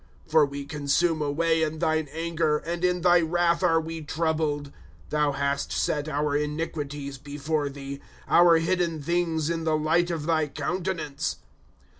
' For we consume away in thine anger, And in thy wrath are we troubled. 8 Thou hast set our iniquities before thee, Our hidden things in the light of thy countenance.